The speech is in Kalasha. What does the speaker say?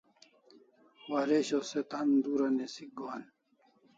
Waresho se tan dura nisik gohan